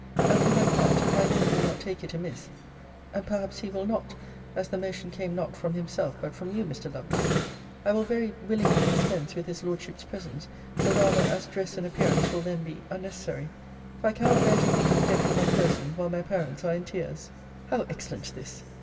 And for my part, if my Lord will not take it amiss, [and perhaps he will not, as the motion came not from himself, but from you, Mr. Lovelace,] I will very willingly dispense with his Lordship's presence; the rather, as dress and appearance will then be unnecessary; for I cannot bear to think of decking my person while my parents are in tears. How excellent this!